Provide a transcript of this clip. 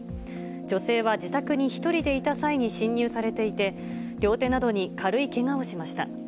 女性は自宅に１人でいた際に侵入されていて、両手などに軽いけがをしました。